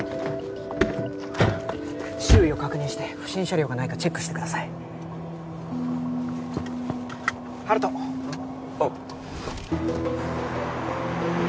周囲を確認して不審車両がないかチェックしてください温人うん？